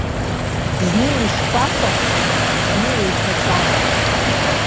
Зны ишкәакәахон, зны еиқәаҵәан.